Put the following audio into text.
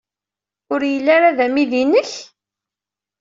Ur yelli ara d amidi-nnek?